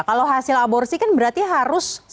kalau hasil aborsi kan berarti harus